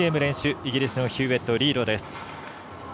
イギリスのヒューウェットリードです。